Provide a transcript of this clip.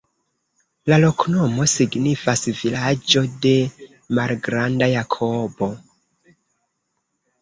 La loknomo signifas: vilaĝo de malgranda Jakobo.